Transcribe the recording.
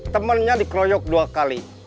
temannya dikeroyok dua kali